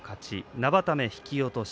生田目、引き落とし。